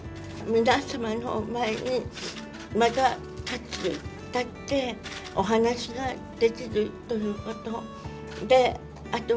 皆様の前にまた立って、お話ができるということ。